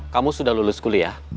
kamu sudah lulus kuliah